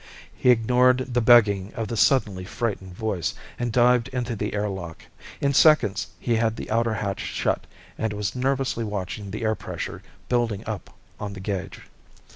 He ignored the begging of the suddenly frightened voice, and dived into the air lock. In seconds, he had the outer hatch shut and was nervously watching the air pressure building up on the gauge.